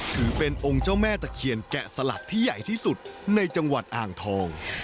ถือเป็นองค์เจ้าแม่ตะเคียนแกะสลักที่ใหญ่ที่สุดในจังหวัดอ่างทอง